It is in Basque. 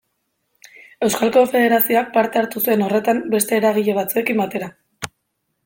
Euskal Konfederazioak parte hartu zuen horretan beste eragile batzuekin batera.